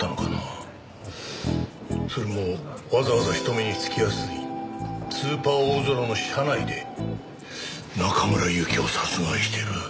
それもわざわざ人目につきやすいスーパーおおぞらの車内で中村祐樹を殺害してる。